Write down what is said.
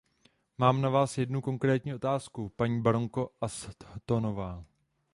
Mám na vás jednu konkrétní otázku, paní baronko Ashtonová.